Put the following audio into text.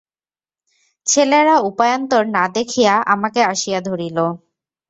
ছেলেরা উপায়ান্তর না দেখিয়া আমাকে আসিয়া ধরিল।